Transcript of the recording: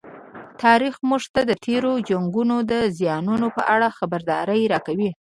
تاریخ موږ ته د تېرو جنګونو د زیانونو په اړه خبرداری راکوي.